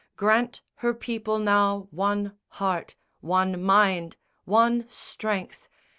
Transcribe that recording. Grant her people now one heart, one mind, One strength.